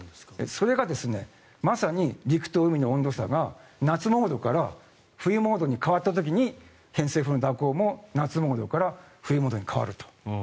それがまさに陸と海の温度差が夏モードから冬モードに変わった時に偏西風の蛇行も夏モードから冬モードに変わると。